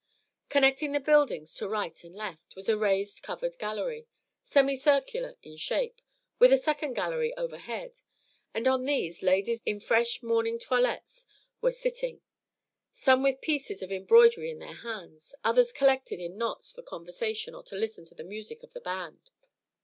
Connecting the buildings to right and left, was a raised covered gallery, semi circular in shape, with a second gallery overhead; and on these ladies in fresh morning toilettes were sitting, some with pieces of embroidery in their hands, others collected in knots for conversation or to listen to the music of the band.